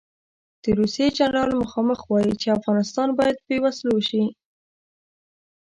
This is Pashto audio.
د روسیې جنرال مخامخ وایي چې افغانستان باید بې وسلو شي.